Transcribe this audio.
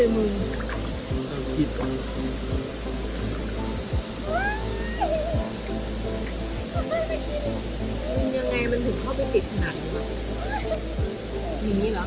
มึงยังไงมันถึงเข้าไปติดขนาดนี้เหรอ